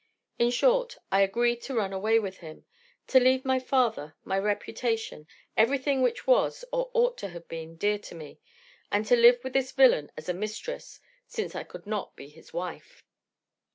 In short, I agreed to run away with him to leave my father, my reputation, everything which was or ought to have been dear to me, and to live with this villain as a mistress, since I could not be his wife.